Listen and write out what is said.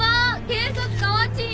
警察かわちい。